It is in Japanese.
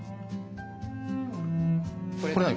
これ何？